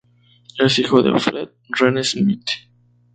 Es hijo de Fred y Renee Smith.